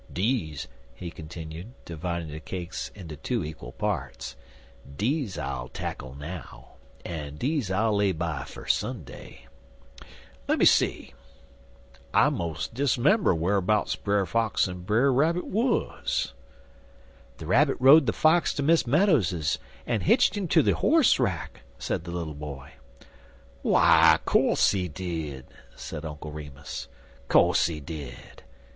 "Deze," he continued, dividing the cakes into two equal parts "dese I'll tackle now, en dese I'll lay by fer Sunday. "Lemme see. I mos' dis'member wharbouts Brer Fox en Brer Rabbit wuz." "The rabbit rode the fox to Miss Meadows's, and hitched him to the horse rack," said the little boy. "W'y co'se he did," said Uncle Remus. "C'ose he did.